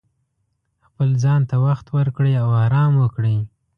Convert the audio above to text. خپل ځان ته وخت ورکړئ او ارام وکړئ.